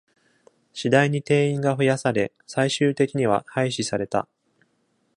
次第に定員が増やされ、最終的には廃止された。